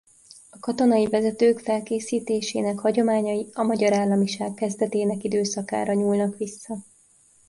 A katonai vezetők felkészítésének hagyományai a magyar államiság kezdetének időszakára nyúlnak vissza.